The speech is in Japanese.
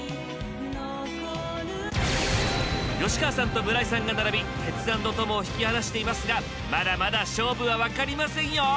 吉川さんと村井さんが並びテツａｎｄトモを引き離していますがまだまだ勝負は分かりませんよ！